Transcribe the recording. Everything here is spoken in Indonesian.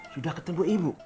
sudah ketemu ibu